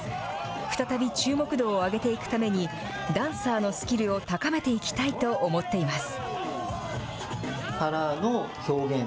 再び注目度を上げていくために、ダンサーのスキルを高めていきたいと思っています。